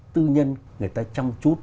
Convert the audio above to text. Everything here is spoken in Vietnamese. tư nhân người ta chăm chút